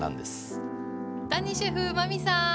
谷シェフ真海さん！